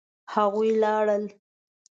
هغوی لاړل